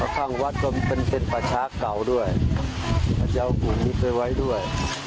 ข้างวัดก็เป็นเซ็นต์ประชาเก่าด้วยพระเจ้ากลุ่มนี้เคยไว้ด้วย